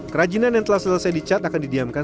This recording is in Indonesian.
kerajinan yang telah selesai dicat akan didiamkan